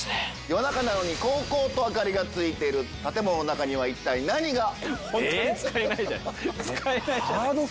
夜中なのにこうこうと明かりがついてる建物の中には一体何が？